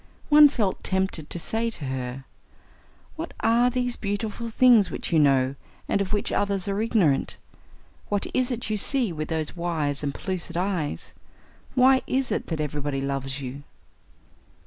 One felt tempted to say to her: "What are these beautiful things which you know, and of which others are ignorant? What is it you see with those wise and pellucid eyes? Why is it that everybody loves you?"